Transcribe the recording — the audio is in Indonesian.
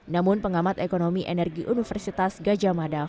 namun pengamat ekonomi energi universitas gajah mada